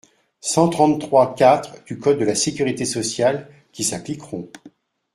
cent trente-trois-quatre du code de la sécurité sociale qui s’appliqueront.